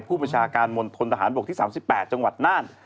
ผู้ประชาการมนตรฐานบกที่๓๘จังหวัดน่าน